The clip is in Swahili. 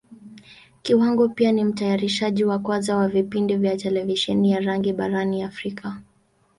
Kiwango pia ni Mtayarishaji wa kwanza wa vipindi vya Televisheni ya rangi barani Africa.